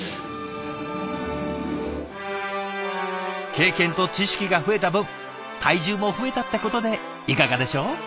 経験と知識が増えた分体重も増えたってことでいかがでしょう？